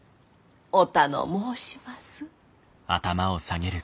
お頼申します。